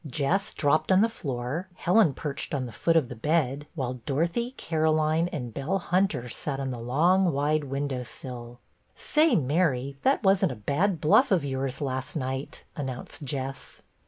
Jess dropped on the floor, Helen perched on the foot of the bed, while Dorothy, Caroline, and Belle Hunter sat on the long, wide window sill. " Say, Mary, that was n't a bad bluff of yours last night," announced Jess.